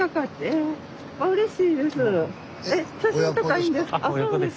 え写真とかいいんです。